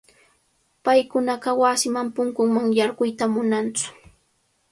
Paykunaqa wasipa punkunman yarquyta munantsu.